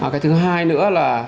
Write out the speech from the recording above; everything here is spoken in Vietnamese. cái thứ hai nữa là